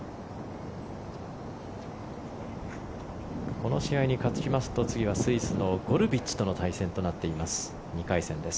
この試合に勝ちますと次はスイスのゴルビッチとの試合になっていきます